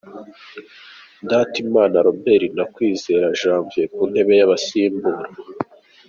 Ndatimana Robert na Kwizera Janvier ku ntebe y'abasimbura.